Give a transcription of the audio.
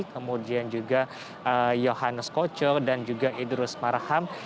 kemudian juga yohannes kocok dan juga idrus marham